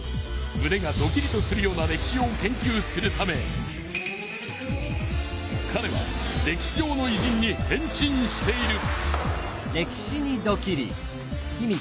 むねがドキリとするような歴史を研究するためかれは歴史上のいじんに変身している。